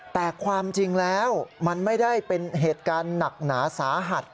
แต่ความจริงแล้วมันไม่ได้เป็นเหตุการณ์หนักหนาสาหัส